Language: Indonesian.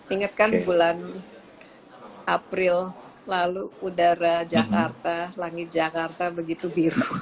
ingatkan bulan april lalu udara jakarta langit jakarta begitu biru